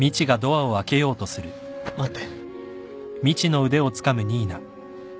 待って。